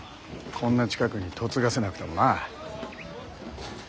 こんな近くに嫁がせなくてもな。